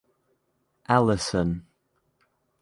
Alison.